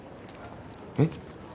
えっ？